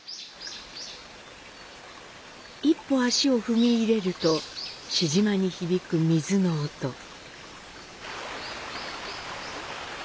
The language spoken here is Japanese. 一歩足を踏み入れると静寂に響く水の音。